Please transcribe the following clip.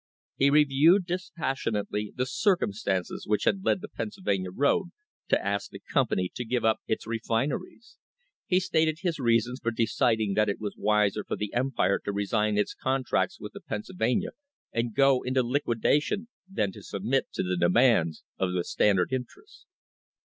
He reviewed, dispassion ately, the circumstances which had led the Pennsylvania road to ask the company to give up its refineries. He stated his reasons for deciding that it was wiser for the Empire to resign its contracts with the Pennsylvania and go into liquida STRENGTHENING THE FOUNDATIONS tion than to submit to the demands of the Standard interests.